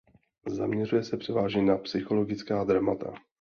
Zaměřuje se převážně na psychologická dramata.